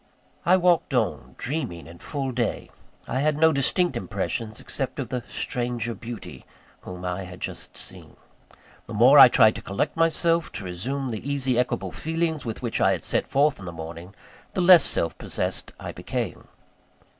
I walked on, dreaming in full day I had no distinct impressions, except of the stranger beauty whom I had just seen. The more I tried to collect myself, to resume the easy, equable feelings with which I had set forth in the morning, the less self possessed I became.